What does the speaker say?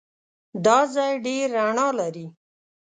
دا ځای ډېر رڼا لري.